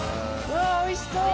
うわおいしそう！